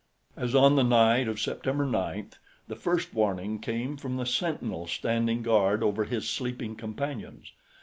As on the night of September ninth the first warning came from the sentinel standing guard over his sleeping companions.